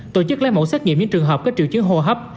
tổ chức lấy mẫu xét nghiệm những trường hợp có triệu chứng hô hấp